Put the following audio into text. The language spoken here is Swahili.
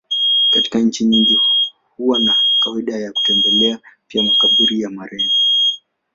Katika nchi nyingi huwa na kawaida ya kutembelea pia makaburi ya marehemu.